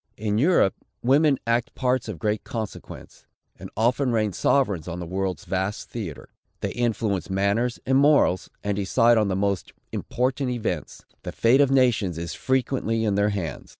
In Europe, women act parts of great consequence, and often reign sovereigns on the world's vast theatre. They influence manners and morals, and decide on the most important events. The fate of nations is frequently in their hands.